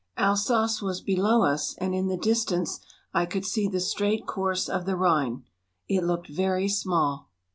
Alsace was below us and in the distance I could see the straight course of the Rhine. It looked very small.